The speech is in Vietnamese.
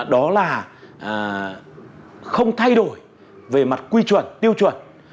đó là không thay đổi về mặt quy chuẩn tiêu chuẩn